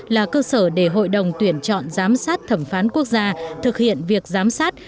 là cơ sở để hội đồng tuyển chọn giám sát thẩm phán quốc gia thực hiện việc giám sát